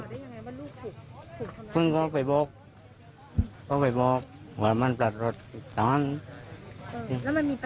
เพิ่งเขาไปบอกเขาไปบอกว่ามันปรัดรถสำหรับนี้